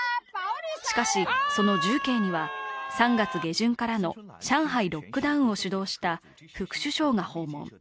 しかし、その重慶には３月下旬からの上海ロックダウンを主導した副首相が訪問。